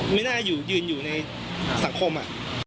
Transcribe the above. ไม่น่าอยู่ยืนอยู่ในสังคม